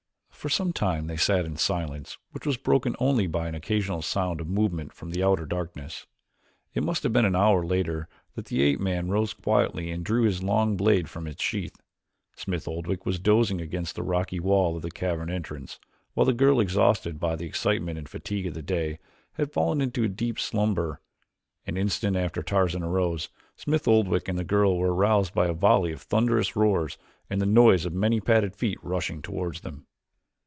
For some time they sat in silence which was broken only by an occasional sound of movement from the outer darkness. It must have been an hour later that the ape man rose quietly and drew his long blade from its sheath. Smith Oldwick was dozing against the rocky wall of the cavern entrance, while the girl, exhausted by the excitement and fatigue of the day, had fallen into deep slumber. An instant after Tarzan arose, Smith Oldwick and the girl were aroused by a volley of thunderous roars and the noise of many padded feet rushing toward them.